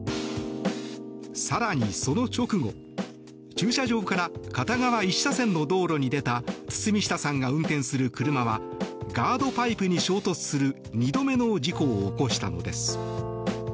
更に、その直後、駐車場から片側１車線の道路に出た堤下さんが運転する車はガードパイプに衝突する２度目の事故を起こしたのです。